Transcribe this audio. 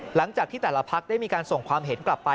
หลังจากที่แต่ละพักได้มีการส่งความเห็นกลับไป